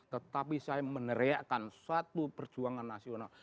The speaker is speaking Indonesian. tetapi saya meneriakan satu perjuangan nasional